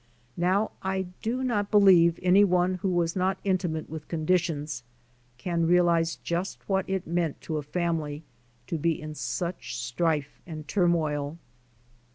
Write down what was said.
Now, I do not believe any one who was not intimate with conditions, can realize just what it meant to a family to be in such strife and turmoil.